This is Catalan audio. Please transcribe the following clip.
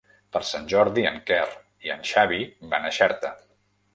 Per Sant Jordi en Quer i en Xavi van a Xerta.